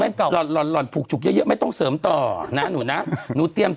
อันนี้อย่าเต็มอย่าเต็ม